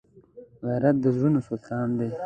غیرت د زړونو سلطنت دی